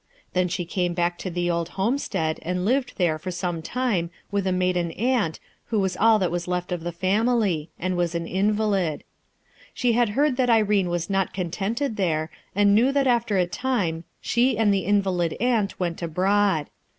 Then she came back to the old homestead and lived there for some time with a maiden aunt who was all that was left of the family, and wag an invalid She had heard that Irene wag not contented there, and knew that after a time she and the invalid aunt went abroad.